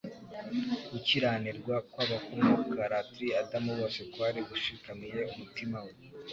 Gukiranirwa kw'abakomoka latri Adamu bose kwari gushikamiye umutima we;